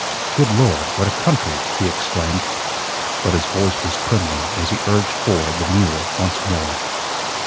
"Good Lord! What a country!" he exclaimed. But his voice was trembling as he urged forward the mule once more.